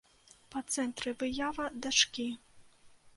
Па цэнтры выява дачкі.